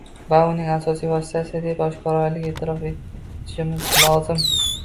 va uning asosiy vositasi deb oshkoralikni e’tirof etishimiz lozim.